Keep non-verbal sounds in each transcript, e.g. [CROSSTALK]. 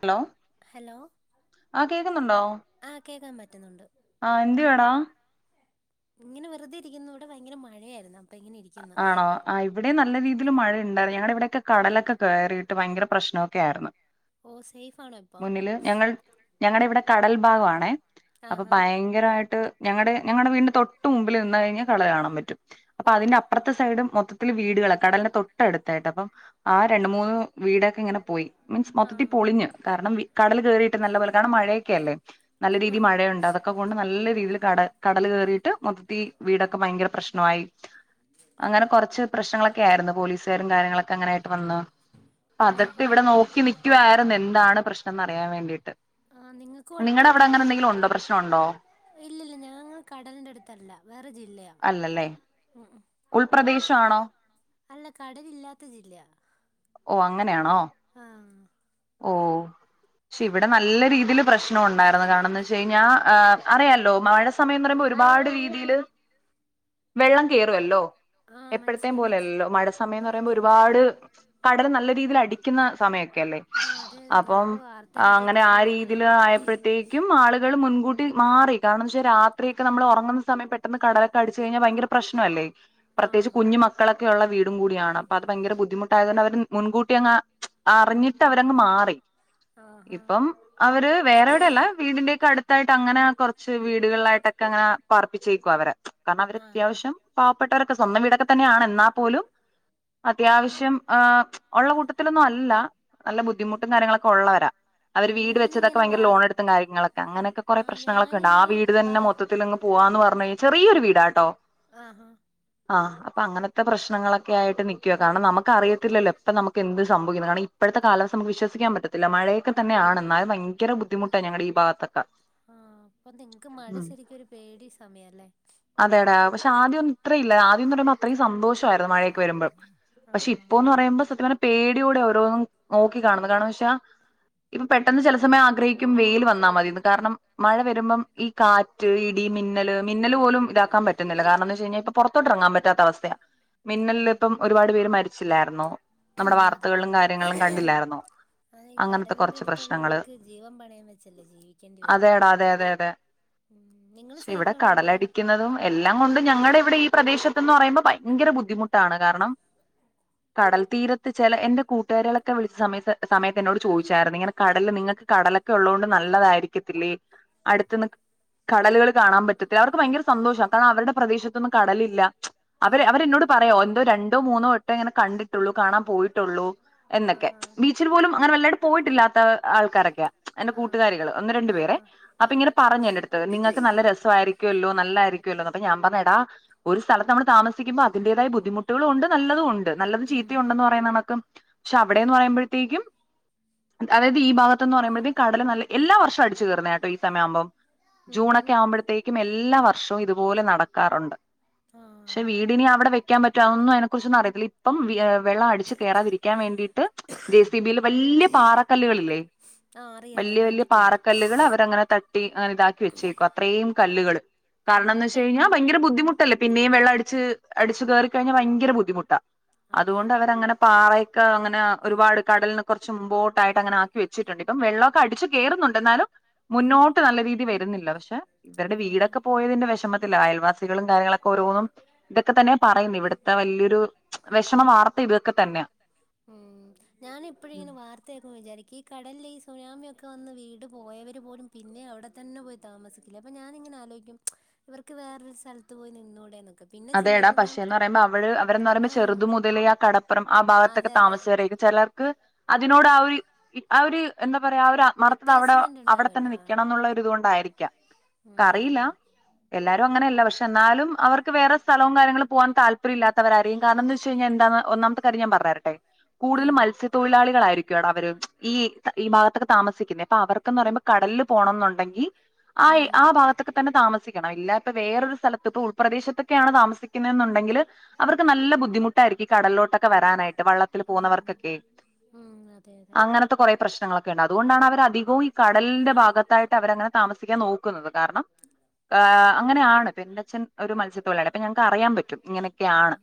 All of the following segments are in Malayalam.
ഹലോ ഹലോ ആ കേക്കുന്നുണ്ടോ ആ കേക്കാൻ പറ്റുന്നുണ്ട് ആ എഎന്ത്‌ വേണം ഇങ്ങനെ വെറുതെ ഇരിക്കുന്നു ഇവിടെ ഭയങ്കര മഴയായിരുന്നു അപ്പൊ ഇങ്ങനെ ഇരിക്കുന്നു ആണോ ആ ഇവിടെ നല്ല രീതിയിൽ മഴ ഉണ്ടായിരുന്നു ഞങ്ങടെ ഇവിടെ - കടലൊക്കെ കേയറിട്ട് ഭയങ്കര പ്രശ്നമൊക്കെ ആയിരുന്നു ഓ സേഫ് ആണോ ഇപ്പം മുന്നില് ഞങ്ങൾ ഞങ്ങടെവിടെ കടൽ ഭാഗാണേ അപ്പൊ ആഹാ ഭയങ്കരായിട്ട് ഞങ്ങടെ ഞങ്ങടെ വീടിന്റെ തൊട്ട് മുമ്പിൽ നിന്ന് കഴിഞ്ഞാ കളി കാണാൻ പറ്റും അപ്പൊ ഓ അതിന്റെ അപ്പറത്തെ സൈഡും മൊത്തത്തില് വീട്കളാ കടലിന്റെ തൊട്ടടുത്തായിട്ട് അപ്പം ആ രണ്ട് മൂന്ന് വീടൊക്കെ ഇങ്ങനെ പോയി മീൻസ് ആ മൊത്തത്തിൽ പളിഞ്ഞ് കാരണം കടൽ കേറിയിട്ട് നല്ല പോലെ കാരണം മഴയൊക്കെല്ലേ നല്ല ആ രീതിൽ മഴയുണ്ട് അതൊക്കെ കൊണ്ട് നല്ല രീതിയിൽ കട കടല് കേറീട്ട് മൊത്തത്തി വീടൊക്കെ ഭയങ്കര പ്രശ്നായി അങ്ങനെ കൊറച്ച് പ്രശ്നങ്ങളൊക്കെ ആയിര്ന്നു പോലീസാരും കാര്യങ്ങളൊക്കെ അങ്ങനായിട്ട് വന്ന് അതൊക്കെ ആഹാ ഇവിടെ നോക്കി നിക്കുവായിരുന്നു എന്താണ് പ്രശ്നന്ന് അറിയാവേണ്ടീട്ട് ആ നിങ്ങക്ക് കൊഴപ്പുണ്ടോ അവടെ ഉണ്ടോ പ്രശ്നം ഉണ്ടോ ഇല്ലല്ല ഞങ്ങ കടലിന്റെ അട്ത്തല്ല വേറെ ജില്ലയാ ഉം, ഉം. പ്രദേശ ആണോ അല്ല കടലില്ലാത്ത ജില്ല്യാ ഓ അങ്ങനെയാണോ ഓ പക്ഷെ ഇവിടെ നല്ല രീതിയിൽ പ്രശ്നം ഉണ്ടായിരുന്നു കാരണം എന്ന് വച്ച് കഴിഞ്ഞാ അറിയാല്ലോ മഴ സമയം പറയുമ്പോ ഒരുപാട് രീതില് വെള്ളം കേറുവല്ലോ ആ മനസ്സിലായി മനസ്സിലായി എപ്പഴത്തേപോലെല്ലലൊ മഴ സമയന്ന് ആ പറയുമ്പോ നി ഒരുപാട് നല്ല രീതിയിൽ അടിക്ക്ന്ന സമയ ക്കെല്ലേ ആ അതെ അതെ അപ്പം ഞങ്ങള് വാർത്തയിലൊക്കെ അങ്ങനെ ആ കേൾക്കുമ്പോ ഇങ്ങനെ രീതിൽ ആയപ്പഴത്തേക്കും ആളുകൾ മുന് കൂട്ടി മാറി കാരണന്ന് വെച്ചാ രാത്രിയൊക്കെ നമ്മൾ ഒറങ്ങുന്ന സമയ പെട്ടെന്ന് കടലൊക്കെ അടിച്ചഴിഞ്ഞ ഭയങ്കര പ്രശ്നല്ലേ പ്രത്യേകിച്ച് ആഹാ കുഞ്ഞ് മക്കളൊക്കെള്ള വീട് കൂടിയാണ് അപ്പൊ അത് ഭയങ്കര ബുദ്ധിമു അവര് മുൻകൂട്ടി അങ്ങ് അറി ഞ്ഞ്ട്ട് അവരങ്ങ് മാറി ആഹാ ഇപ്പം അവര് വേറെവിടെല്ല വീടിന്റെക്കെ അട് ത്തായിട്ട് അങ്ങനെ കൊറച്ച് വീടുകളിലായിട്ടൊക്കെങ്ങനെ പാർപ്പിച്ചേക്കോ അവരെ കാരണം അവര് ആഹാ അത്യാവശ്യം പാവപ്പെട്ടവർ സ്വന്തം വീടൊക്കെ തന്നെയാണ് എന്നാ പോലും അത്യാവശ്യം ആഹ് ഉള്ള കൂട്ടത്തിലൊന്നും അല്ല നല്ല ബുദ്ധിമുട്ടും കാര്യങ്ങളൊക്കെ ഉള്ളവരാ അവര് ആ വീട് വെച്ചതൊക്കെ ഞാനിങ്ങനെ ഭയങ്കര ലോണ് വാർ എട്ത്തും കാര്യങ്ങളൊക്കെ അങ്ങനൊക്കെ കൊറെ ആഹ് പ്രശ്നങ്ങളൊക്കെണ്ട് ആ ഞാനിങ്ങനെ വീട് തന്നെ വാർ മൊത്തിലങ്ങ് പോവാ പറഞ്ഞ് ചെറിയൊരു വീടാട്ടോ ആ ആ ആഹ് അപ്പൊ അങ്ങനത്തെ പ്രശ്നങ്ങളൊക്കെയിട്ട് നിക്കാ കാരണം നമക്ക് അറിയ ത്തില്ലല്ലോ ഇപ്പനമക്ക് എന്ത് സംഭവിക്കുന്ന് കാരണം ഇപ്പോഴത്തെ കാലാവസ്ഥ നമുക്ക് വിശ്വസിക്കാന് പറ്റത്തില്ല. മഴൊക്കെ തന്നെയാണ് എന്നാലും ഭയര ബുദ്ധിമുട്ടാ ഞങ്ങടെ ഈ ഭാഗത്ത് ആ അപ്പൊ നിങ്ങക്ക് മഴ ശരിക്കും ഒരു പേടി സമയല്ലേ അതേടാ പക്ഷെ ആദ്യന്നും ഇത്രല്ല ആദ്യന്ന് പറയ്മ്പോ അത്രയും സന്തോഷ ര്ന്നു മഴോക്കെ വരുമ്പം പക്ഷെ ഇ ആഹ് ഇപ്പൊന്ന് പറയുമ്പോ സത്യം പറഞ്ഞ പേടിയുടെ ഒ നോക്കി കാണ കാരന്ന് വെച്ചാ ഇപ്പൊ പെട്ടെന്ന് ചില സമയം ആഗ്രഹിക്കും വെൽ വന്നാ മതിന്ന് കാരണം മഴ വരുമ്പം ഈ കാറ്റ് ഇടി മിന്നല് മിന്നല് പോലും ഇതാക്കാൻ പറ്റുന്നില്ല കാരണംന്ന് വെച്ച് കഴിഞ്ഞാൽ ഇപ്പ പുറത്തോട്ട് ഇറങ്ങാൻ പറ്റ പറ്റാ അവസ്ഥ മിന്നലിൽ ആഹ് ഇപ്പം ഒരുപാട് പേര് മരി ല്ലാർന്നു നമ്മുടെ അതെ വാർത്തകളിലും കാര്യങ്ങളിലും കന്തില്ലാർന്നു അത് ഈ കടലിന്റെ അടുത്തുള്ളവർക്ക് ജീവൻ പണയം വെച്ചല്ലേ ജീവിക്കേണ്ടി വരുന്നെ അതടാ അതെ അതെ അതെ ഉം നിങ്ങള് ക്ഷെ ഇവിടെ സേഫാണോ എല്ലാരും കാടലിക്കുന്നതും എല്ലാം കൊണ്ടും നിഞുടെ ഇവിടെ ഈ പ്രദേശത്ത്ന്ന് പറയുമ്പോ ഭയങ്കര ബുദ്ധിമുട്ടാണ് കാരണം കടൽ തീരത്ത് ചില എന്റെ കൂട്ടുകാരികളൊക്കെ വിളിച്ച സമയത് സമയത്ത് എന്നോട് ചോയിച്ചായിരുന്നു ഇങ്ങനെ കടല് നിങ്ങൾക്ക് കടലൊക്കെ ഒള്ളോണ്ട് നല്ലതായിരിക്കത്തില്ലേ അടുത്തിന്ന് കടലുകള് കാണാൻ പറ്റത് അവർക്ക് ഭയങ്കര സന്തോഷാ കാരണം അവരുടെ പ്രദേശത്തൊന്നും കടലില്ല അവര് ആഹ് അവരെന്നോട് പറയ എന്തോ രണ്ടോ മൂന്നോ വ ങ്ങനെ കണ്ടിട്ടുള്ളൂ കാണാൻ പോയിട്ടൊള്ളു എന്നൊക്കെ ആഹാ ബീച്ചിൽ പോലും അങ്ങനെ വല്ലായിട്ട് പോയിട്ടില്ലാത്ത ആൾക്കാരൊക്കെയാ എന്റെ കൂട്ടുകാരികള് ഒന്ന് ആഹ് രണ്ടു പേരെ ആഹാ അപ്പൊ ആഹ് ഇങ്ങനെ പറഞ്ഞു എന്റെടുത്ത് നിങ്ങക്ക് നല്ല രസമായിയിരിക്കുമല്ലോ നല്ലരി അപ്പ ഞാ പറഞ്ഞ എടാ ഒരു സ്ഥലത്ത് നമ്മള് താമസിക്കുമ്പോ അതിന്റേതായ ബുദ്ധിമുട്ടുകളും ഉണ്ട് നല്ലതും ഉണ്ട് ണ്ട് നല്ലത് ഉം ചീത്തയുണ്ടെന്ന് പറയുന്ന ണക്ക് ണ്ട് ക്ഷെ അവിടേന്ന് പറയുമ്പോഴത്തേക്കും അതായത് ഈ ഭാഗത്തെന്ന് പറയുമ്പോഴത്തേക്കും കടല് നല്ല എല്ലാ വർഷം അടിച്ചു കേറുന്ന യാട്ടോ ഈ സമയമാവുമ്പോം ഉം ഹും ജൂണൊക്കെ ആവുമ്പഴത്തേക്കും എല്ലാവർ ഷവും ഇതുപോലെ നടക്കാറൊണ്ട് ക്ഷെ ആഹ് വീടിനി അവിടെ വെക്കാൻ പറ്റോ അതൊന്നും എനക്ക് കുറിച്ചൊന്നും അറിയത്തില്ല അപ്പം വിയ വെള്ളം അടിച്ചു കേറാതിരിക്കാൻ വേണ്ടിട്ട് ജെ സി ബിയില് വല്യ പാറക്കല്ലുകളില്ലേ ആഹ് അറിയാം അറിയാം വല്യ വല്യ കണ്ടിട്ടുണ്ട് പാറക്കല്ലുകളവരങ്ങനെ തട്ടി അങ്ങനെ ഇതാക്കി വെച്ചേക്കും അത്രയും കല്ലുകള് ഉം കാരണംന്ന് വെച്ച് ഇപ്പ കഴിഞ്ഞാ ഭയങ്കര ബുദ്ധിമുട്ടല്ലേ പിന്നെയും വെള്ളം അടിച്ച് അടിച്ചു കേറി കഴിഞ്ഞാ ബയങ്കര ബുദ്ധിമുട്ടാ അതെ അതുകൊണ്ട് അതെ അവരങ്ങന പാറേക്ക അങ്ങന ഒരുപാട് കടലിന് കുറച്ച് മുമ്പോട്ടായിട്ട് അങ്ങനെ ആക്കി വെച്ചിട്ടുണ്ട് ഇപ്പം വെള്ളാക്കെ അടിച്ച് കേറുന്നുണ്ട് എന്നാലും മുന്നോട്ട് നല്ല രീതി വരുന്നില്ല പക്ഷെ ഇവരുടെ ആഹ് വീടൊക്കെ പോയതിന്റെ വിഷമത്തിലായൽവാസ ത്തികളും കാര്യങ്ങളൊ ഓരോന്നും ഇതൊക്കെ തന്നെ പറയും ഇവിടുത്തെ വല്യൊരു ഉ ഞാനിപ്പൊഴിങ്ങനെ വാർത്ത കേക്കുമ്പോ വിചാരിക്കും ഈ കടലില് സുനാമിയൊക്കെ വന്ന് വീട് പോയവര് പോലും പിന്നെ അവിടെത്തന്നെ പോയി താമസിക്കാ അപ്പോ ഞാനിങ്ങനെ ആലോചിക്കും ഇവർക്ക് വേറൊരു സ്ഥലത്ത് പോയി നിന്നൂടെ [UNINTELLIGIBLE] അതെടാ പക്ഷേന്ന് പറയുമ്പോ അവള് അവരന്ന് പറയുമ്പോ ആഹ് ചെറുത് മുതലേ ആ കടപ്പുറം ആ ഭാഗത്തൊക്കെ അതെ അതെ താമസിച്ചവരാക്കും ചെലർക്ക് അതിനോട് ആ ഒരു ആ ഒരു എന്താ എ പറയാ അവ ഒരു ആത്മാർഥത അവിടെ അറ്റാച്ച്മെന്റ് അവിടെത്തന്നെ ഉണ്ടാവല്ലോ ആഹ് നിക്കണംന്നുള്ളൊരിതുകൊണ്ടായിരിക്കും ക്യ ക്കറിയില്ല ഉം എല്ലാരും അങ്ങനെയല്ല പക്ഷെ എന്നാലും അവർക്ക് സ്ഥലവും കാര്യൾങ്ങള് പോവാൻ താല്പര്യില്ലാത്തവരാരും കാരണംന്ന് വച്ച്കഴിഞ്ഞാന്താന്ന് ഒന്നാമത്തെ കാര്യം ഞാൻ പറഞ്ഞരട്ടെ കൂടുതല് ഉം മത്സ്യത്തൊഴിലാളികളായി ദിക്കോടാ അവര് ഈ ഈ ഭാഗത്തൊക്കെ താമസിക്കുന്നേ അപ്പൊ അവർക്കന്ന് പറയുമ്പോ കടലില് പോണംന്നൊണ്ടെങ്കി ആ ആ ഉം ഭാഗത്തൊക്കെ തന്നെ താമസിക്കണം ഇല്ലാ വേറൊരു സ്ഥലത്ത് പ്പൊ ഉൾപ്രദേശത് ക്കെയാണ് താമസിക്കുന്നേന്നുണ്ടെങ്കില് അവർക്ക് നല്ല ബുദ്ധിമുട്ടായിരിക്കും ഈ കടലിലോട്ടൊക്കെ വരാനായിട്ട് വള്ളത്തില് പോകുന്നവർക്കൊക്കെ ഉം ഉം അതെ അതെ അങ്ങനത്തെ കൊറെ പ്രശ്നങ്ങളൊക്കെ ഉണ്ട് അതുകൊണ്ടാണ് അവരധികോം ഈ കടലിന്റെ ഭാഗത്തായിട്ട് അവരങ്ങനെ താമസിക്കാൻ നോക്കുന്നത് കാരണം ആ അങ്ങനെയാണ് പെന്നച്ഛൻ ഒരു മത്സ അപ്പം ഞങ്ങ്ക്ക് അറിയാൻ പറ്റും ഇങ്ങനെക്കെആണ്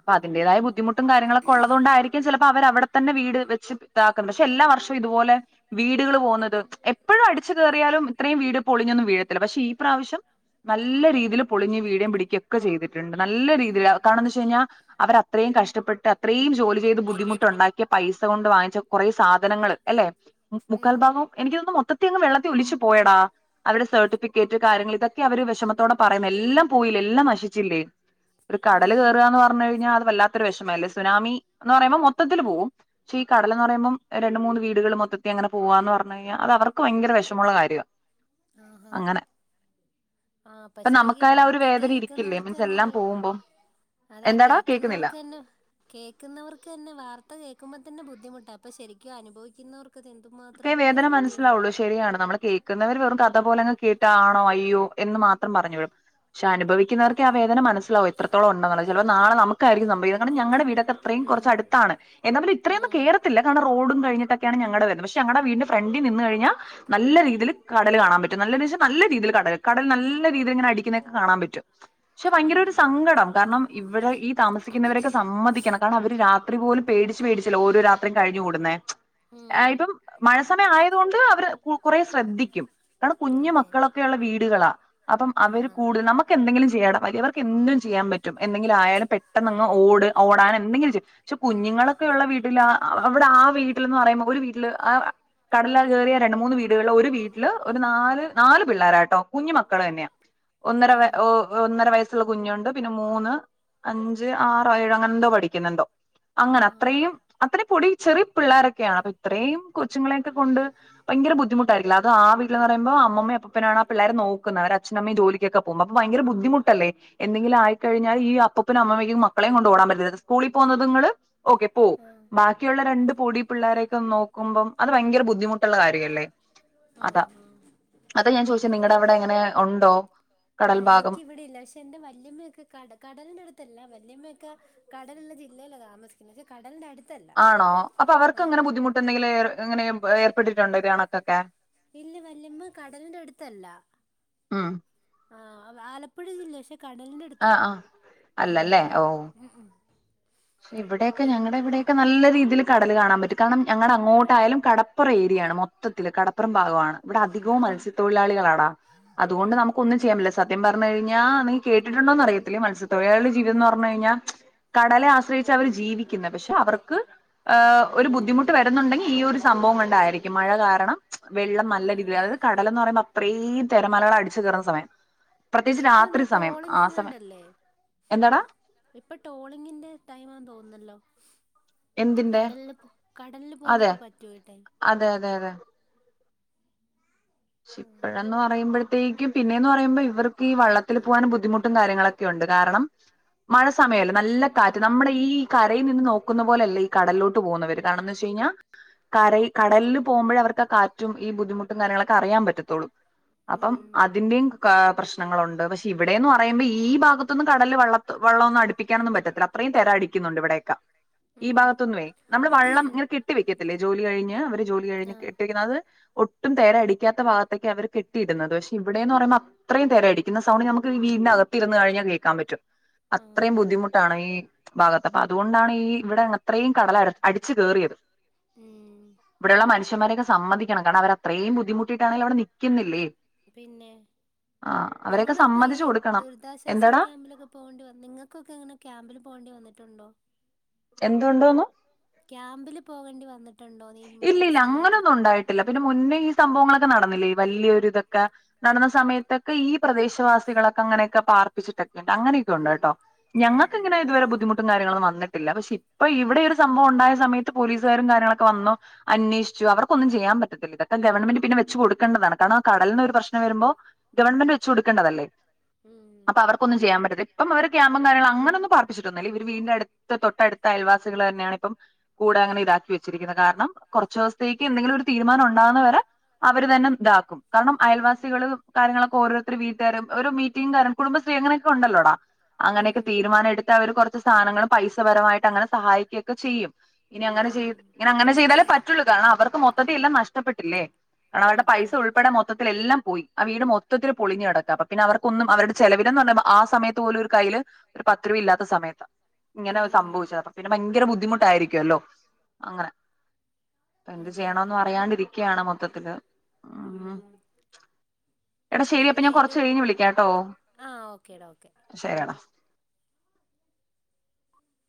അപ്പൊ ആഹാ അതിന്റെതായ ബുദ്ധിമുട്ടും കാര്യങ്ങളൊക്കെ ഉള്ളത് കൊണ്ടായിരിക്കും ചിലപ്പോ അവരവിടെ തന്നെ വീട് വെച്ച് താക്കുന്ന പക്ഷെ എല്ലാ വർഷും ഇതുപോലെ വീടുകൾ പോകുന്ന എപ്പോഴും അടിച്ചു കേറിയാലും ഇത്രയും വീട് പൊളിഞ്ഞൊന്നും വീഴത്തില്ല പക്ഷെ ഈ പ്രാവശ്യം നല്ല രീതിൽ പൊളിഞ്ഞു വീയെം പിടി ക്കെ ചെയ്തിട്ട്ണ്ട് നല്ല രീതിൽ ആഹ് കാരണംന്താന്ന് വെച്ച് കഴിഞ്ഞാ അവര് അത്രേം കഷ്ടപ്പെട്ട് അത്രേം ജോലി ചെയ്ത് ബുദ്ധിമുട്ട്ണ്ടാക്കിയ പൈ സ കൊണ്ട് വാങ്ങിച്ച കുറെ സാധനങ്ങൾ എല്ലെ മു മുക്കാൽ ഉം ഭാഗവും എനിക്ക് തോന്നുന്നു മൊത്തത്തി അങ്ങ് വെള്ള ത്തി ഒലിച്ച് പോയടാ അവര്ടെ സെർട്ടിഫിക്കറ്റ് കാര്യങ്ങൾ ഇതൊക്കെ അവര് വിഷമത്തോടെ പറയുന്നെ എല്ലാം പോയില്ലെ എല്ലാം നശിച്ചില്ലെ ഒരു കടൽ ഉം കേറാന്ന് പറഞ്ഞ് കഴിഞ്ഞാ അത് വല്ലാ ത്തൊരു വെഷമല്ലെ സുനമി എന്ന് പറയുമ്പോ മൊത്തത്തിൽ പോകും ക്ഷെ ഈ കടൽ എന്ന് പറയുമ്പോ രണ്ട് മൂന്ന് വീടുകൾ മൊത്തത്തി അങ്ങനെ പോവന്ന് പറ ഞ്ഞ്കഴിഞ്ഞ അത്‌ അവർക്ക് ഭയങ്കര വെഷമുള്ള കാര്യവ ആഹാ അങ്ങനെ അത്‌ നമുക്കായാൽ ആ ഒരു വേദനിം ക്ക്ന്നവർക്ക്ന്നെ ഒരു അതാ എന്താടാ കേൾക്കുന്നില്ല കേക്ക്ന്നവർക്ക്ന്നെ കേക്ക്ന്നവർക്ക്ന്നെ വാർത്ത കേക്കുമ്പം ത ന്നെ ബുദ്ധിമുട്ട അപ്പൊ ശെരിക്കും അനുഭാവിക്കിന്നോർ ക്ക്ത് എന്തുമാത്രം എഫ ലാവുള്ളു ശെരിയാണ് നമ്മൾ കേക്ക്ന്നവര് വെറും കഥ പോലെ അങ്ങ് കേട്ട് ആണോ അയ്യോ എന്ന് മാത്രം പറഞ്ഞ് വിടും ക്ഷെ അനുഭവിക്കുന്നവർക്കെ ആ വേദന മനസിലാവു എത്രത്തോളം ഉണ്ടെന്നുള്ളെ ചിലപ്പോ നാളെ നമുക്കായിരിക്കും സം ഇതൊക്കെ ഞങ്ങടെ വീടൊക്കെ ഇത്രയും കൊറച്ച് അടുത്താണ് ഉം എന്നപോലും ഇത്രേം ഒന്നും ആഹ് കേറത്തില്ല കാരണം റോഡ് കഴിഞ്ഞിട്ടൊക്കെ ആണ് ഞങ്ങടെ വരുന്നെ പ ഞങ്ങടെ വീടിന്റെ ഫ്രന്റി നിന്ന് കഴിഞ്ഞാ നല്ലരീതിൽ കടൽ കാണാൻ പറ്റും നല്ലെന്ന് വെച്ച നല്ല രീതിൽ കട കടൽ നല്ല രീതിൽ ങ്ങനെ അടി ക്കിന്നെക്കെ കാണാൻ പറ്റും ക്ഷെ ഭയങ്കര ഒരു ആഹാ സങ്കടം കാരണം ഇവിടെ ഈ താമസിക്കുന്നവരൊക്കെ സമ്മതിക്കണം കാരണം അവര് രാ ത്രി പോലും പേടിച്ച് പേടിച്ച് അല്ലെ ഓരോ രാത്രീം കഴിഞ്ഞ് കൂടുന്നെ ആ ഉം ഇപ്പം മഴസമയം ആയത്കൊണ്ട് അവര് കു കുറെ ശ്ര ദ്ധിക്കും കാരണം കുഞ്ഞു അതെ മക്കളൊക്കെയുള്ള വീടുകളാ അപ്പം അവര് ആഹ് കൂടുത നമുക്ക് എന്തെങ്കിലും ചെയ്യണം വലിയവർക്ക് എന്തും ചെയ്യാൻ പറ്റും എന്തെങ്കിലും ആയാൽ പെട്ടൊന്ന് അങ്ങ് ഓട് ഓടാൻ എന്തെങ്കിലും ചെ ക്ഷെ കുഞ്ഞുങ്ങളൊക്കെ ഉള്ള വീട്ടിൽ ആ ആ അവിടെ ആ വീട്ട്ൽന്ന് പറയുമ്പോ ഒരു വീട്ട്ല് ആ കടൽ കേറിയ രണ്ടു മൂന്ന് വീടുകളിൽ ഒരു വീട്ടില് ഒരു നാല് നാല് പിള്ളോരാട്ടോ കുഞ്ഞു മക്കൾ തന്നെയാ ഒന്നര വ ആഹ് ഓ ഒന്നര വയസ് സ് യുള്ള കുഞ്ഞുണ്ട് പിന്നെ മൂന്ന് അഞ്ച് ആറോ ഏഴോ അങ്ങനെ എന്തോ പഠിക്കുന്നെന്തോ അങ്ങനെ ആഹ് അത്രേം അത്രേം പൊടി- ചെറിയ പിള്ളാരൊക്കെയാണ് അപ്പൊ ഇത്രയും കൊച്ചുങ്ങളെയൊക്കെ കൊണ്ട് ഭയങ്കര ബുദ്ധിമുട്ടായിരിക്കില്ല അത് ആ വീട്ടിലെന്ന് പറയുംപോ അമ്മമ്മയും അപ്പുപ്പനും ആണ് ആ പിള്ളേരെ നോക്കുന്നത്‌ അവരടെ അച്ഛനും അമ്മയും ജോലിക്ക് ഒക്കെ പോകുന്നു അപ്പ ഭയങ്ക ബുദ്ധമുട്ടല്ല എന്തെങ്കിലുംആയിക്കഴിഞ്ഞാല് ഈ അപ്പുപ്പനും അമ്മമ്മക്കും മക്കളെയും കൊണ്ട് ഓടാൻ പറ്റത്തില്ല സ്കൂളിൽ പോന്നത്ങ്ങള് ഓക്കെ പോ ആഹ് ബാക്കിയുള്ള രണ്ട് പൊടി- പിള്ളേരെയൊക്കെ ഒന്ന് നോ ക്കുമ്പം അത് ഭയങ്കര ബുദ്ധിമുട്ടുള്ള കാര്യമല്ലേ ആ അതാ ആ അതാ ഞാൻ ഉം ചോദിച്ചത് നിങ്ങടെ അതെ അവിടെ എങ്ങനെ ഉണ്ടോ ആ കടൽ ഭാഗം എനിക്ക് ഇവിടെയില്ല പക്ഷെ എന്റെ വല്യമ്മയൊക്കെ കട കടലിന്റെ അടുത്തല്ല വല്യമ്മ ക കടലുള്ള ജില്ലയില താമസിക്കുന്നത് പക്ഷെ കടലിന്റെ അടു ആണോ അപ്പൊ അവർക്ക് അങ്ങനെ ബുദ്ധിമുട്ട് എന്തെങ്കില് എങ്ങനെ- ഏർപ്പെട്ടിട്ടുണ്ടോ ഇതു കണക്കൊക്കെ ഇല്ല വല്യമ്മ കടലിന്റെ അടുത്തല്ല ഉം ആ ആലപ്പുഴ ജില്ലയാ പക്ഷെ കടലിന്റെ ആഹ് അടുത്തല്ല ആഹ് അല്ലല്ലേ ഉം ഓ ഉ ഉ ഇവിടെയൊക്കെ ഞങ്ങളുടെ ഇവിടെയൊക്കെ നല്ല രീതീല്- കടല് കാണാൻ പറ്റും കാരണം ഞങ്ങളുടെ അങ്ങോട്ടായാലും കടപ്പുറ ഏരിയാണ് മൊത്തത്തില് കടപ്പുറം ഭാഗമാണ് ഇവിടെ അധികവും ആഹ് മത്സ്യത്തൊഴിലാളികളാടാ അതുകൊണ്ട് നമുക്ക് ഒന്നും ചെയ്യാൻ പറ്റില്ല സത്യം പറഞ്ഞ് കഴിഞ്ഞാൽ നി കേട്ടിട്ടുണ്ടോന്ന് അറിയത്തില്ല മത്സ്യത്തൊഴിലാളുടെ ജീവിതംന്ന് പറഞ്ഞ കഴിഞ്ഞാ കടലാ ആസ് സ്രയിച്ച അവർ ജീവിക്കുന്നേ പക്ഷെ അവർക്ക് അ ഒരു ബുദ്ധിമുട്ട് വരുന്നുണ്ടെങ്കി ഈ ഒരു സംഭവം കൊണ്ടായിരിക്കും മഴ കാരണം വെള്ളം നല്ല രീതിയി ആഹ് അതായത് കടലെന്ന് പറയുമ്പം ഇത്രയും തിരമലകള് അടിച്ചു കേറുന്ന സമയം പ്രത്യേകിച്ച് ഇപ്പ എന്താ രാത്രി സമയം ടോളിംഗ് ആ സമയം എങ്ങാണ്ടല്ലേ എന്താടാ ഇപ്പൊ ടോളിങ്ങിന്റെ- ടൈമാന്ന് തോന്നുന്നല്ലോ എന്തിന്റെ കടലില് കടലില് അതെ പോവാനൊക്കെ പറ്റുവട്ടേ അതെ അതെ അതെ [UNINTELLIGIBLE] ഇപ്പഴന്ന് പറയുമ്പോഴ് പേയ് [UNINTELLIGIBLE] ക്കും പിന്നെയെന്ന് പറയ്പോ ഇവർക്ക് ഈ വള്ളത്തിൽ പോകാനും ബുദ്ധിമുട്ടും കാര്യങ്ങളൊക്കെ ഉണ്ട് കാരണം മഴ സമയമല്ലോ നല്ല കാറ്റ് നമ്മുടെ ഈ കരയിൽ നിന്ന് നോക്കുന്ന പോലെയല്ല ഈ കടലിലോട്ട് പോകുന്നവർ കാരണം എന്ന് വെച്ച കഴിഞ്ഞാൽ കര കടലിൽ പോകുമ്പോഴ അവർക്ക് ആ കാറ്റും ഈ ബുദ്ധിമുട്ടും കാര്യങ്ങളൊ അറിയാൻ പറ്റത്തൊള്ളൂ അപ്പം ഉം അതിന്റെയും ക പ്രശ്നങ്ങളുണ്ട് പക്ഷെ ഇവിടെന്ന് പറയുമ്പോ ഈ ഭാഗത്തൊന്നും കടലിൽ വള്ള വള്ളംഒന്നും അടുപ്പിക്കാനൊന്നും പറ്റത്തില്ല അത്രയും തിര അടിക്കുന്നുണ്ട് ഇവിടെയൊക്കെ ഈ ഉം ഭാഗത്തൊന്ന് വേ നമ്മള് വെള്ളം ഇങ്ങനെ കെട്ടി വെക്കത്തില്ലേ ജോലി കഴിഞ് അവര്- ജോലി കഴിഞ്ഞ് ആഹ് കെട്ടിക്കുന്നത് ഒ ട്ടും തെരയടി ഇപ്പറത്തെ ഭാഗത്ത്‌യൊക്കെ ആ അവര് കെട്ടിയിടുന്നത് പഷേ ഇവിടെന്ന് ആഹ് പറയുമ്പോ അത്രം തെര അടി ക്കുന്ന സൗണ്ട് നമുക്ക് വീടിന് അകത്ത് ഇരുന്ന് കഴിഞ്ഞാൽ കേക്കാൻ പറ്റും ആഹ് അത്രയും ആഹ് ബുദ്ധിമുട്ടാണ് ഈ- ഭാഗത്ത് അപ്പൊ അതുകൊണ്ടാണ് ഈ ഇവിടെ അത്രയും കടല അടിച്ചു കയറിയത് ഇവിടെള്ള മറ്റ്- മനുഷ്യൻമ്മാരെ സമ്മതിക്കണം കാരണം അവര് അത്രയും ബുദ്ധമുട്ടി ട്ടാണെങ്കിലും അവിടെ നിക്കുന്നില്ലേ പിന്നെ ആ അവരെയൊക്കെ നിങ്ങളളൊക്കെ ഇപ്പോ ഈ സമ്മതിച്ചു കൊടുക്കണം ദുരിതാശ്വാസ എന്താടാ ക്യാമ്പിലൊക്കെ പോവേണ്ടി നിങ്ങൾക്കൊക്കെ എങ്ങനെ ക്യാമ്പില് പോകേണ്ടി വന്നിട്ടുണ്ടോ എന്തുണ്ടോന്ന് ക്യാമ്പില് പോകേണ്ടി വന്നിട്ട് ഇല്ല ഇല്ല അങ്ങനൊന്നും ഉണ്ടായിട്ടില്ല പിന്നെ മുന്നേ ഈ സംഭവങ്ങളൊ ക്കെ നടന്നില്ലേ ഈ വല്ല്യൊരു ഇതൊക്കെ നടന്ന സമയത്തൊക്കെ ഈ പ്രദേശവാസികളൊക്കെ അങ്ങനെയൊക്കെ പാർപ്പിച്ചിട്ടൊക്കെ ഉണ്ട് അങ്ങനെയൊക്കെ ഉണ്ട് കേട്ടോ ആഹ് ഞങ്ങക്ക് ആഹ് അങ്ങനെ ഇതുവരെ ബുദ്ധമുട്ടും കാര്യങ്ങളും ഒന്നും വ ന്നിട്ടില്ല പക്ഷെ ഇപ്പ ഇവിടെ ഒരു സംഭവം ഉണ്ടായ സമയത്ത് പോലീസുകാരും കാര്യങ്ങളൊ ക്കെ വന്നു അന്വേഷിച്ചു അവർക്കൊന്നും ചെയ്യാൻ പറ്റത്തില്ല ഇതൊക്കെ ഗവൺമെന്റ് പിന്നെ വെച്ച് കൊടുക്കേണ്ടതാണ് കാരണം കടലീന്ന് ഒരു പ്രശ്നം വരുമ്പോ ഗവൺമെന്റ് വെച്ച് കൊടുക്കേണ്ടതല്ലേ ഉം അപ്പൊ അവർക്കൊന്നും ചെയ്യാൻ പറ്റത്തി ഇപ്പം അവരെ ക്യാമ്പും കാര്യങ്ങളും അങ്ങനൊന്നും പർപ്പിച്ചിട്ടൊന്നുമില്ല ഇവര് വീടിന്റെ അടുത്ത തൊട്ടടുത്ത അയൽവാസികൾ തന്നെയാണ് ഇപ്പം കൂടെ അങ്ങനെ ഇതാക്കി വെ ച്ചിരിക്കുന്ന കാരണം കുറച്ച് ദിവസത്തേക്ക് എന്തെങ്കിലും ഒരു തീരുമാനം ഉണ്ടാകുന്നവരെ അവര് തന്നെ ഇതാക്കും കാരണം അയൽവാസികള് കാര്യങ്ങളൊക്കെ ഓരോരുത്തർ വീട്ടുകാരും ഒരുോ മീറ്റിംഗും കാരണം കുടുംബശ്രീ അങ്ങനെയൊക്കെ ഉണ്ടല്ലോടാ ഉം അങ്ങനെയൊക്കെ ഉം തീരുമാനെടുത്ത് അവർ കുറച്ച് സാധനങ്ങള് പൈസപരമായിട്ട് അങ്ങനെ സഹായിക്കുകയൊക്കെ ചെയ്യും ഇനി അങ്ങനെ ചെയ് ഉം അങ്ങനെ ചെയ്താലേ പറ്റുള്ളൂ കാരണം അവർക്ക് മൊത്തത്തിൽ എല്ലാം നഷ്ടപ്പെട്ടില്ലേ കാരണം അവരുടെ അതെ പൈസ അതെ ഉൾപ്പെടെ മൊത്തിൽ എല്ലാം എല്ലാം പോയി ആ വീട് മൊത്തത്തിൽ പൊളിഞ്ഞു കിടക്കുവാ അപ്പൊ പിന്നേ അവർക്കൊന്നും അവരുടെ ചെിലവിനെന്ന് പറഞ്ഞാ ആ സമയത്ത് പോലും ഒരു കയ്യില് ഒരു പത്ത് രൂപ ഇാത്ത സമയത്താ ഇങ്ങനെ ഉം സംഭവിച്ചത് അപ്പൊ പിന്നെ ഭയങ്കര ബുദ്ധിമു ട്ടായിരിക്കൂല്ലോ അങ്ങനെ ഇപ്പോ എന്ത് അതെ അതെ ചെയ്യണോന്നും അറിയാണ്ടിരിക്കുയാണ് മൊ ത്തത്തില് ഉം എടാ ശരി അപ്പോ പിന്നെ ഞാൻ അയിന്റെ കൊറച്ച് കഴിഞ്ഞ് വിളിക്കാട്ടോ ആ ഓക്കേടാ ഓക്കെ ശരിയെടാ